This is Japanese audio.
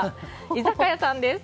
居酒屋さんです。